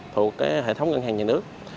thuộc hệ thống ngân hàng nhà nước